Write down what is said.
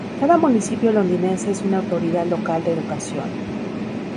Cada municipio londinense es una Autoridad Local de Educación.